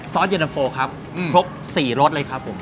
ซอสเยอร์เตอร์โฟครับครบ๔รสเลยครับ